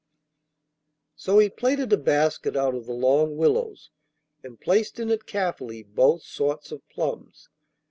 So he plaited a basket out of the long willows, and placed in it carefully both sorts of plums.